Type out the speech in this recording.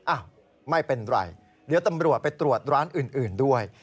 อ้าวไม่เป็นไรเดี๋ยวตำรวจไปตรวจร้านอื่นด้วย